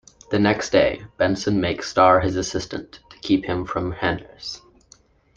The next day, Benson makes Starr his assistant, to keep him from Hennes.